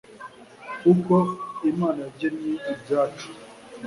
Kuko Imana yagennye ibyacu